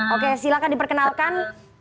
oke silahkan diperkenalkan